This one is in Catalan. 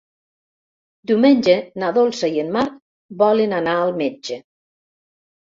Diumenge na Dolça i en Marc volen anar al metge.